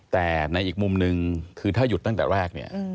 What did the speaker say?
แต่ในอีกมุมหนึ่งคือถ้าหยุดตั้งแต่แรกเนี่ย